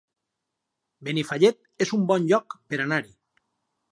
Benifallet es un bon lloc per anar-hi